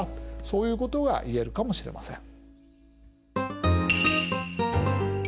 そういうことが言えるかもしれません。